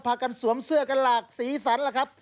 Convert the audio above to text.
กันสวมเสื้อกันหลากสีสันล่ะครับ